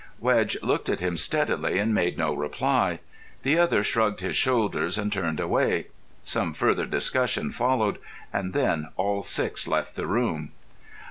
Wedge looked at him steadily and made no reply. The other shrugged his shoulders and turned away. Some further discussion followed, and then all six left the room.